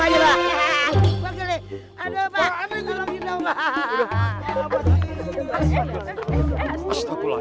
aduh apa kamu tidak berdorong